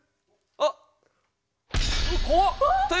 あっ！